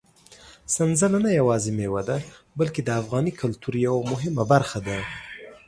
سنځله نه یوازې مېوه ده، بلکې د افغاني کلتور یوه مهمه برخه ده.